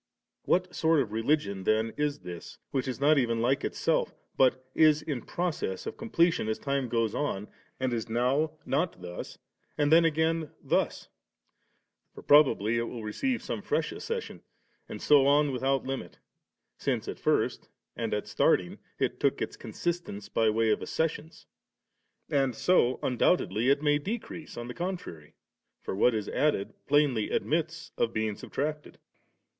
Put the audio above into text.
What sort of a religion then is this, which is not even like itself, but is in process of completion as time goes on, and is nov not thus, and then again thus ? For probably it will receive some fresh accession, and so on without limit, since at first and at staiting it took its consistence by way of accessions. And so undoubtedly it may decrease on the contrary, for what is added plainly admits of being subtracted.